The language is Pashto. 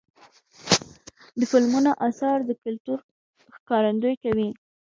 د فلمونو اثار د کلتور ښکارندویي کوي.